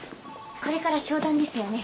これから商談ですよね？